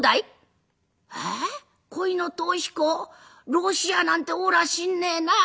ロシアなんておら知んねえなあ」。